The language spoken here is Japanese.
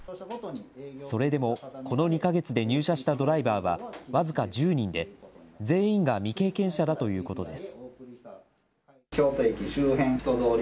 それでも、この２か月で入社したドライバーは僅か１０人で、全員が未経験者だということです。